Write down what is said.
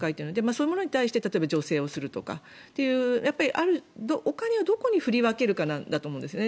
そういうものに対して助成するとかというお金をどこに振り分けるかだと思うんですね。